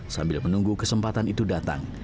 sambil menunggu kesempatan itu datang